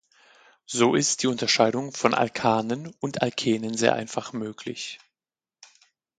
So ist die Unterscheidung von Alkanen und Alkenen sehr einfach möglich.